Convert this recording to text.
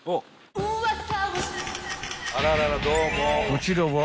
［こちらは］